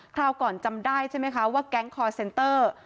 คราวก่อนจำได้ใช่ไหมคะว่าแก๊งคอร์เซนเตอร์